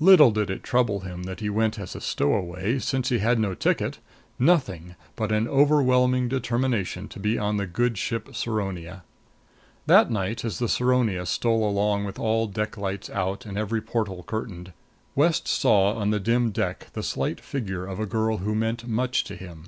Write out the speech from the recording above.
Little did it trouble him that he went as a stowaway, since he had no ticket; nothing but an overwhelming determination to be on the good ship Saronia. That night as the Saronia stole along with all deck lights out and every porthole curtained, West saw on the dim deck the slight figure of a girl who meant much to him.